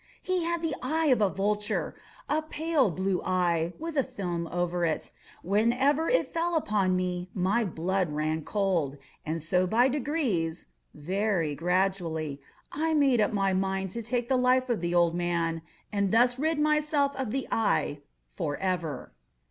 He had the eye of a vulture—a pale blue eye, with a film over it. Whenever it fell upon me, my blood ran cold; and so by degrees—very gradually—I made up my mind to take the life of the old man, and thus rid myself of the eye forever.